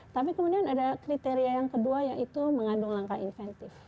tapi kemudian ada kriteria yang kedua yaitu mengandung langkah inventif